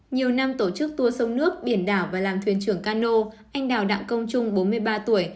nhiều năm tổ chức tour sông nước biển đảo và làm thuyền trưởng cano anh đào đặng công trung bốn mươi ba tuổi